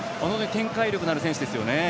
展開力のある選手ですよね。